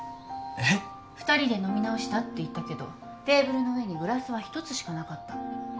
２人で飲み直したって言ったけどテーブルの上にグラスは１つしかなかった。